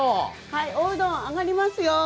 おうどん、あがりますよ。